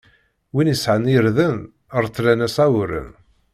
Win isɛan irden, reṭṭlen-as awren.